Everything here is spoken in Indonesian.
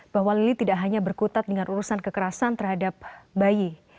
bahwa lili tidak hanya berkutat dengan urusan kekerasan terhadap bayi